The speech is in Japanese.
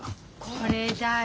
これだよ。